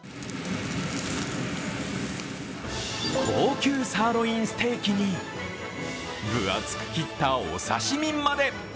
高級サーロインステーキに分厚く切ったお刺身まで。